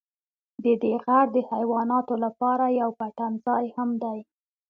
ددې غر د حیواناتو لپاره یو پټنځای هم دی.